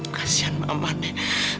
kasian mama nek